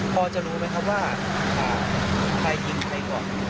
พอจะรู้ไหมครับว่าใครยิงใครก่อน